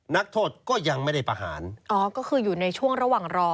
นักโทษก็ยังไม่ได้ประหารอ๋อก็คืออยู่ในช่วงระหว่างรอ